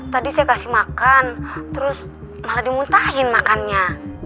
tadi saya kasih makan terus malah dimuntahin makannya